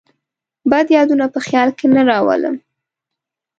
بد یادونه په خیال کې نه راولم.